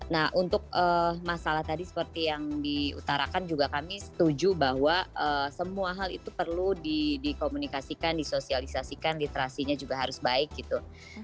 nah untuk masalah tadi seperti yang diutarakan juga kami setuju bahwa semua hal itu perlu dikomunikasikan disosialisasikan literasinya juga harus baik gitu